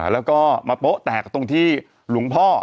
แล้วก็มาโป๊ะแตกตรงที่หลวงพ่อ